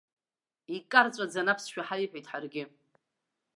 Икарҵәаӡаны аԥсшәа ҳаиҳәеит ҳаргьы.